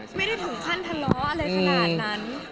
ไม่ได้ถึงขั้นทะเลาะอะไรขนาดนั้น